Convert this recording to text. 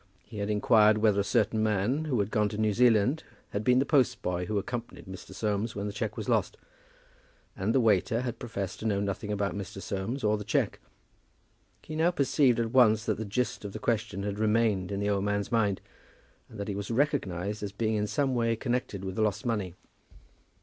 He had inquired whether a certain man who had gone to New Zealand had been the post boy who accompanied Mr. Soames when the cheque was lost; and the waiter had professed to know nothing about Mr. Soames or the cheque. He now perceived at once that the gist of the question had remained on the old man's mind, and that he was recognized as being in some way connected with the lost money.